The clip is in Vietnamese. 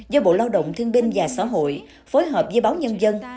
do bộ lao động thương binh và xã hội phối hợp với báo nhân dân